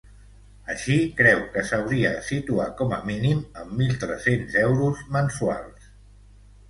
Així, creu que s’hauria de situar com a mínim en mil tres-cents euros mensuals.